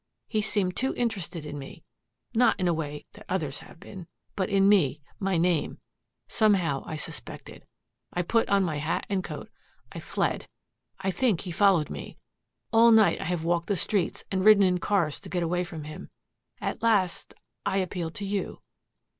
He seemed too interested in me, not in a way that others have been, but in me my name. Some how I suspected. I put on my hat and coat. I fled. I think he followed me. All night I have walked the streets and ridden in cars to get away from him. At last I appealed to you."